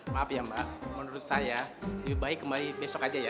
maaf ya mbak menurut saya lebih baik kembali besok aja ya